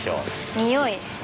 におい。